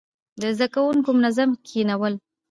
د زده کوونکو منظم کښينول،